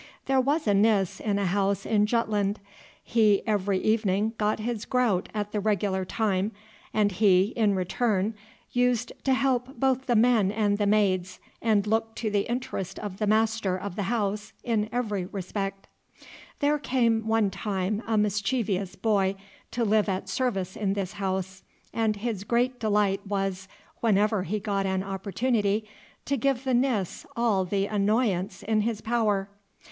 There was a Nis in a house in Jutland. He every evening got his groute at the regular time, and he, in return, used to help both the men and the maids, and looked to the interest of the master of the house in every respect. There came one time a mischievous boy to live at service in this house, and his great delight was, whenever he got an opportunity, to give the Nis all the annoyance in his power.